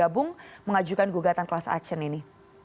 atau bergabung mengajukan gugatan kelas aksen ini